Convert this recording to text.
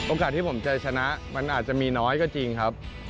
โอกาสที่ผมจะชนะมันอาจจะมีน้อยก็จริงครับ